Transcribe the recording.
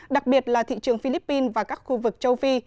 đặc biệt là thị trường philippines và các khu vực châu phi